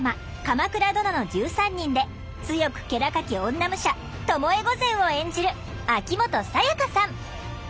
「鎌倉殿の１３人」で強く気高き女武者巴御前を演じる秋元才加さん。